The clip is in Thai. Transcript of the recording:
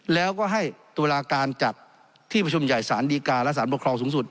แล้วก็ให้ตุลาการจัดที่ประชุมใหญ่สารดีการและสารปกครองสูงสุด